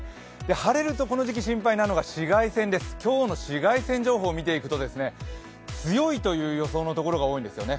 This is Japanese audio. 晴れるとこの時期心配なのが紫外線です、今日の紫外線情報を見ていきますと、強いという予想の所が多いんですね。